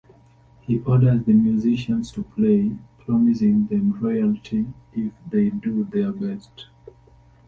He orders the musicians to play, promising them royalty if they do their best.